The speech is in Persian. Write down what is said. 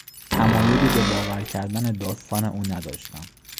تمایلی به باور کردن داستان او نداشتم.